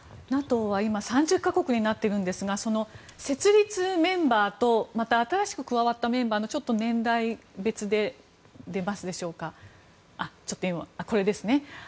ＮＡＴＯは今３０か国になっているんですが設立メンバーとまた新しく加わったメンバーのちょっと年代別の、これですね。